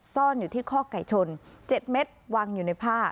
ซ่อนอยู่ทิศคอกไก่ชนเจ็ดเมตรวางอยู่ในผ้า